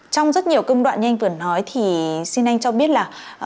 trong rất nhiều công đoạn như anh vừa nói thì xin anh cho biết là